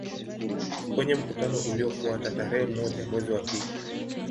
Kwenye mkutano uliofuata tarehe moja mwezi wa pili